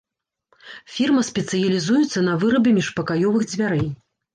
Фірма спецыялізуецца на вырабе міжпакаёвых дзвярэй.